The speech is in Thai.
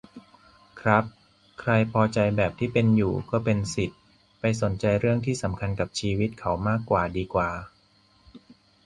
ครับ ใครพอใจแบบที่เป็นอยู่ ก็เป็นสิทธิ์ ไปสนใจเรื่องที่สำคัญกับชีวิตเขามากกว่าดีกว่า